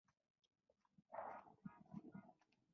لويي د جرګې د غونډو له دایرولو پرته حکومت وکړ.